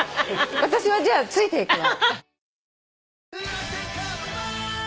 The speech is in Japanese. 私はじゃあついていくわ。